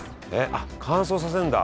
あっ乾燥させんだ。